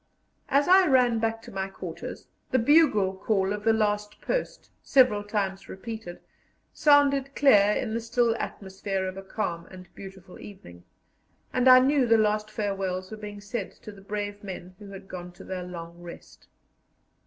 As I ran back to my quarters, the bugle call of the "Last Post," several times repeated, sounded clear in the still atmosphere of a calm and beautiful evening, and I knew the last farewells were being said to the brave men who had gone to their long rest.